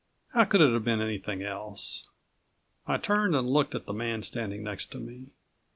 How could it have been anything else? I turned and looked at the man standing next to me.